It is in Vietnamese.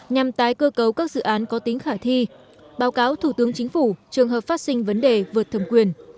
nhằm tái cơ cấu các dự án có tính khả thi báo cáo thủ tướng chính phủ trường hợp phát sinh vấn đề vượt thẩm quyền